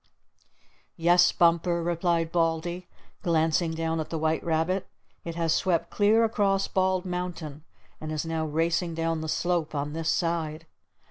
"Yes, Bumper," replied Baldy, glancing down at the white rabbit. "It has swept clear across Bald Mountain, and is now racing down the slope on this side.